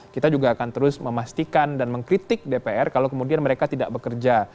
kita juga akan terus memastikan dan mengkritik dpr kalau kemudian mereka tidak bekerja